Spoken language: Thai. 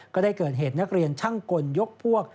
ก็ได้เกิดเหตุนักเรียนช่างกลยกพวก